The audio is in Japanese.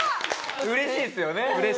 嬉しいっすよね。